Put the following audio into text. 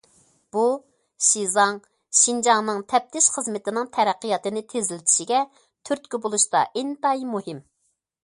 بۇ، شىزاڭ، شىنجاڭنىڭ تەپتىش خىزمىتىنىڭ تەرەققىياتىنى تېزلىتىشىگە تۈرتكە بولۇشتا ئىنتايىن مۇھىم.